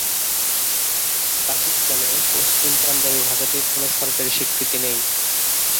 পাকিস্তানে পশ্চিম পাঞ্জাবি ভাষাটির কোনও সরকারি স্বীকৃতি নেই।